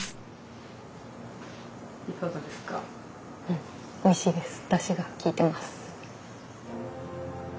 うんおいしいです。